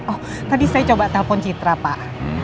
oh tadi saya coba telpon citra pak